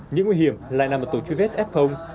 những nguy hiểm lại nằm ở tổ chứa vết f